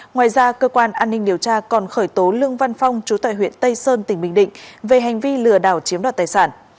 ngoài ra cơ quan an ninh điều tra còn khởi tố lương văn phong chú tài huyện tây sơn tỉnh bình định về hành vi lừa đảo chiếm đoạt tài sản